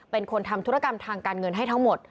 เป็นคนทำธุรกรรมทางการเงินให้ทั้งหมด